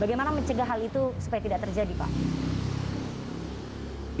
bagaimana mencegah hal itu supaya tidak terjadi pak